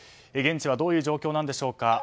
現地はどういう状況なんでしょうか。